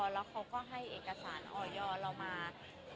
แล้วเขาก็ให้เอกสารออยเรามา